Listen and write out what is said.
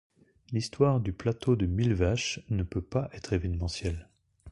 L’histoire du plateau de Millevaches ne peut pas être événementielle.